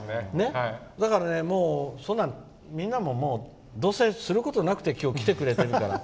だから、みんなもどうせすることなくて今日、来てくれてるから。